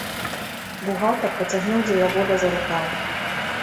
Бухгалтар пацягнуў дзелавода за рукаў.